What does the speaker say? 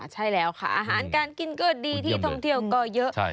ใช่แล้วค่ะอาหารการกินก็ดีที่ท่องเที่ยวก็เยอะ